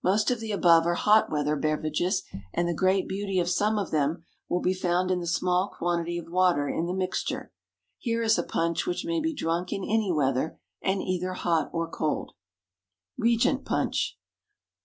Most of the above are hot weather beverages, and the great beauty of some of them will be found in the small quantity of water in the mixture. Here is a punch which may be drunk in any weather, and either hot or cold. _Regent Punch.